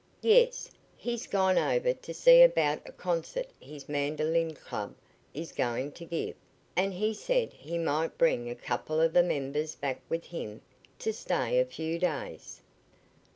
"Yes; he's gone over to see about a concert his mandolin club is going to give, and he said he might bring a couple of the members back with him to stay a few days."